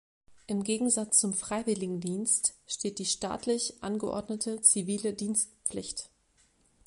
Im Gegensatz zum Freiwilligendienst steht die staatlich angeordnete zivile Dienstpflicht.